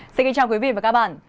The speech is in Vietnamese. xin kính chào quý vị và các bạn